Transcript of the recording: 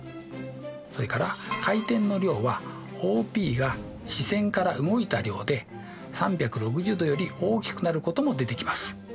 それから回転の量はＯＰが始線から動いた量で３６０°より大きくなることも出てきます。